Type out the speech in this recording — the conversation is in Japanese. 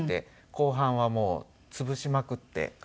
後半はもう潰しまくって描いてます。